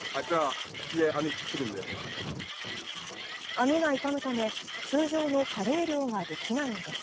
網が傷むため通常のカレイ漁ができないのです。